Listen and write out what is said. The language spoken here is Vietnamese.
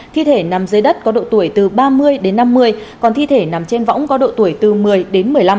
thi thể nằm dưới đất có độ tuổi từ ba mươi đến năm mươi còn thi thể nằm trên võng có độ tuổi từ một mươi đến một mươi năm